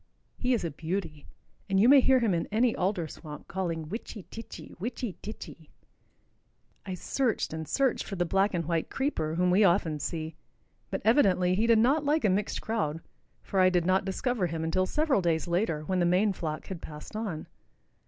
He is a beauty, and you may hear him in any alder swamp calling "witchy titchy, witchy titchy." I searched and searched for the black and white creeper whom we often see, but evidently he did not like a mixed crowd, for I did not discover him until several days later, when the main flock had passed on.